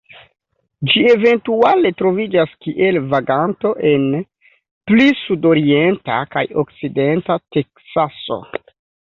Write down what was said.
Ĝi eventuale troviĝas kiel vaganto en pli sudorienta kaj okcidenta Teksaso.